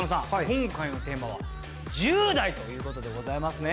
今回のテーマは「１０代」ということでございますね。